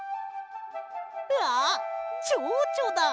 あっチョウチョだ！